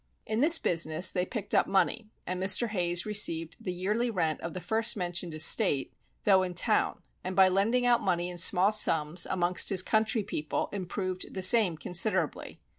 In this business they picked up money, and Mr. Hayes received the yearly rent of the first mentioned estate, though in town; and by lending out money in small sums, amongst his country people improved the same considerably.